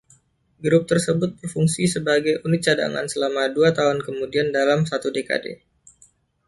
Grup tersebut berfungsi sebagai unit cadangan selama dua tahun kemudian dalam satu dekade.